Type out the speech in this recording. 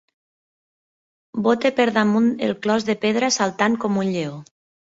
Bote per damunt el clos de pedra saltant com un lleó.